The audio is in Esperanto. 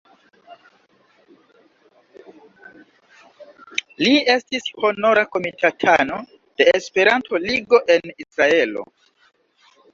Li estis honora komitatano de Esperanto-Ligo en Israelo.